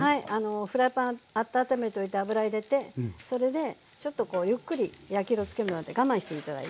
フライパン温めておいて油入れてそれでちょっとゆっくり焼き色つくまで我慢して頂いて。